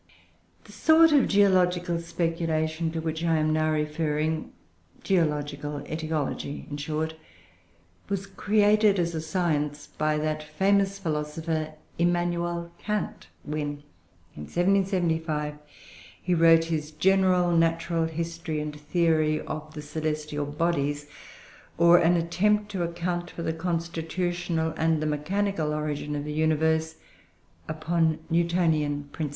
The sort of geological speculation to which I am now referring (geological aetiology, in short) was created, as a science, by that famous philosopher Immanuel Kant, when, in 1775, he wrote his "General Natural History and Theory of the Celestial Bodies; or an Attempt to account for the Constitutional and the Mechanical Origin of the Universe upon Newtonian principles."